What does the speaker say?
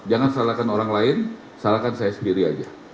jangan salahkan orang lain salahkan saya sendiri aja